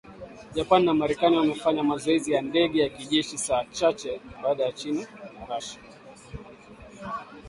Japan na Marekani wamefanya mazoezi ya ndege za kijeshi saa chache baada ya China na Russia